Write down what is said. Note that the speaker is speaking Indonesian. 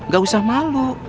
gak usah malu